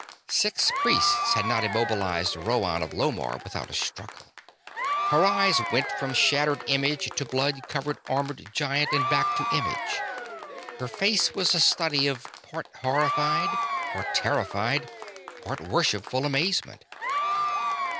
Six priests had not immobilized Rhoann of Lomarr without a struggle. Her eyes went from shattered image to blood covered armored giant and back to image; her face was a study of part horrified, part terrified, part worshipful amazement.